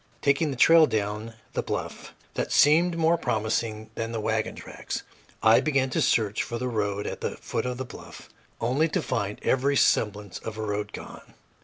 Taking a trail down the bluff that seemed more promising than the wagon tracks, I began to search for the road at the foot of the bluff, only to find every semblance of a road gone.